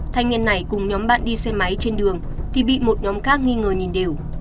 thanh niên này cùng nhóm bạn đi xe máy trên đường thì bị một nhóm khác nghi ngờ nhìn đều